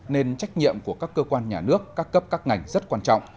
nên trách nhiệm của các cơ quan nhà nước các cấp các ngành rất quan trọng